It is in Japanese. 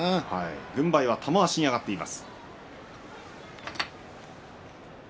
軍配は玉鷲に上がっています。